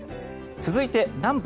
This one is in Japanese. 続いて南部。